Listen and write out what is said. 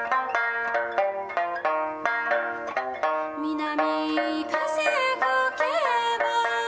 「南風吹けば」